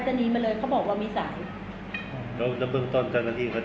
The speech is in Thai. จะบึกต้นเซ็นตรงนี้เขาแจ้งพ่อคำหาอะไรเนี่ย